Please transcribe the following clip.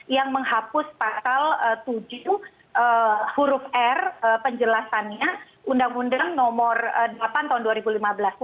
yang menghapus pasal tujuh huruf r penjelasannya undang undang nomor delapan tahun dua ribu lima belas